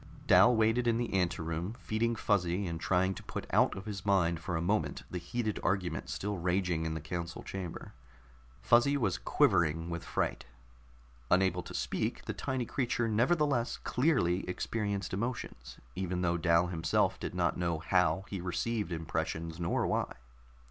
Dal waited in an anteroom, feeding Fuzzy and trying to put out of his mind for a moment the heated argument still raging in the council chamber. Fuzzy was quivering with fright; unable to speak, the tiny creature nevertheless clearly experienced emotions, even though Dal himself did not know how he received impressions, nor why.